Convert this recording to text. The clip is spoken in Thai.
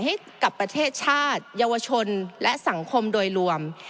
ให้กับประเทศชาติเยาวชนและสังคมโดยรวม